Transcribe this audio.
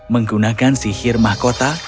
menggunakan sihir mahkota